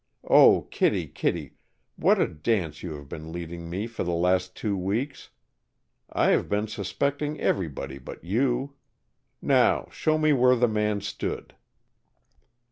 Oh, Kittie, Kittie, what a dance you have been leading me for the last two weeks! I have been suspecting everybody but you. Now show me where the man stood."